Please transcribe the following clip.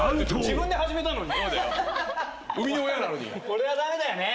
これは駄目だよね。